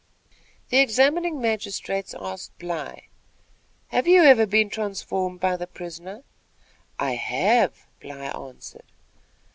The examining magistrates asked Bly: "Have you ever been transformed by the prisoner?" "I have," Bly answered.